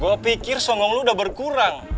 gue pikir songong lu udah berkurang